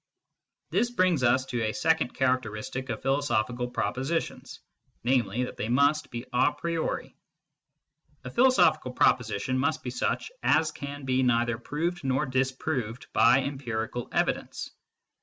This brings us to a second charateristic of philo sophical propositions, namely, that they must be a priori. A philosophical proposition must be such as can be neither proved nor disproved by empirical evidence.